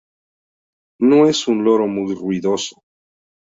No es un loro muy ruidoso.